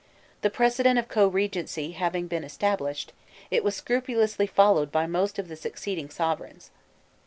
The precedent of co regnancy having been established, it was scrupulously followed by most of the succeeding sovereigns.